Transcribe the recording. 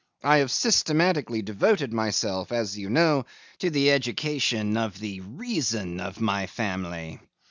I have systematically devoted myself (as you know) to the education of the reason of my family.